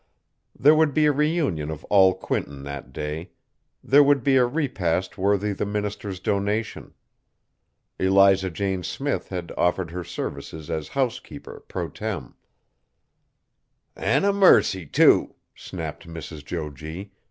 There would be a reunion of all Quinton that day. There would be a repast worthy the minister's donation. Eliza Jane Smith had offered her services as housekeeper pro tem. "An' a mercy, too!" snapped Mrs. Jo G.